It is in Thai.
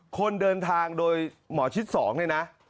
คนเดินทางโดยหมอชิดสองได้นะ